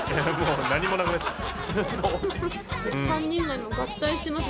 何もなくなっちゃった。